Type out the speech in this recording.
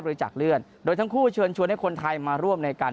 จักษ์เลื่อนโดยทั้งคู่เชิญชวนให้คนไทยมาร่วมในการ